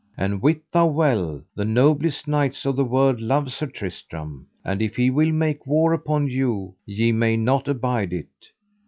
And wit thou well the noblest knights of the world love Sir Tristram, and if he will make war upon you ye may not abide it.